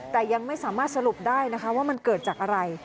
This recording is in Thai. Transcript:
แต่ยังไม่สามารถสรุปได้นะคะว่ามันเกิดจากอะไร